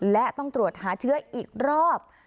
และต้องตรวจหาเชื้ออีกรอบ